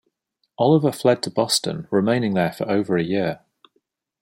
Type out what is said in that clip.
Oliver fled to Boston, remaining there for over a year.